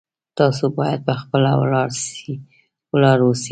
تاسو باید په خپله ولاړ اوسئ